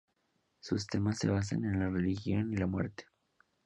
Sus temas se basan en la religión y la muerte.